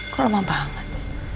kok lama banget